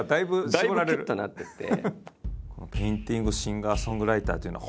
だいぶきゅっとなってて。